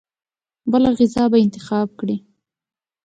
بله غذا به انتخاب کړي.